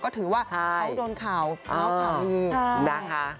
ก็ถือว่าเขาโดนข่าวเมาส์ข่าวลือนะคะ